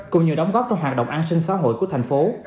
cùng nhiều đóng góp cho hoạt động an sinh xã hội của thành phố